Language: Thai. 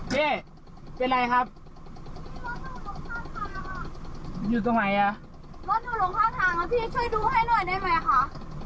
นี่เป็นไรครับอยู่ตรงไหนอ่ะรถหนูลงข้างทางแล้วพี่ช่วยดูให้หน่อยได้ไหมคะ